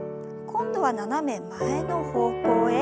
今度は斜め前の方向へ。